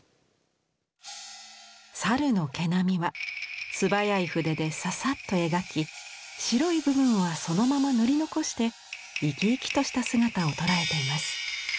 猿の毛並みは素早い筆でササッと描き白い部分はそのまま塗り残して生き生きとした姿を捉えています。